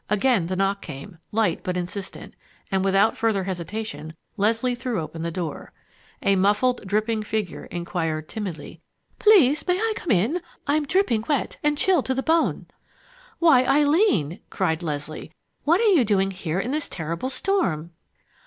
Again the knock came, light but insistent; and without further hesitation, Leslie threw the door open. A muffled, dripping figure inquired timidly, "Please may I come in? I'm dripping wet and chilled to the bone." "Why, Eileen!" cried Leslie, "what are you doing here in this terrible storm?"